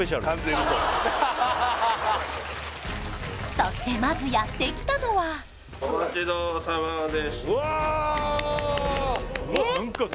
そしてまずやってきたのはお待ちどおさまです